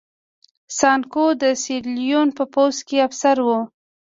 سانکو د سیریلیون په پوځ کې افسر و.